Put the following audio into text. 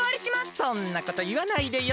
そんなこといわないでよ。